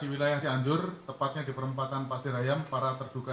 ini adalah kejadian yang seharusnya tidak harus terjadi